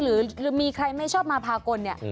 หรือมีใครไม่ชอบมาพากลเนี่ย